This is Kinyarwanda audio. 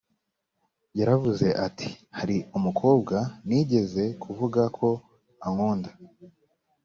yaravuze ati hari umukobwa nigeze kuvuga ko ankunda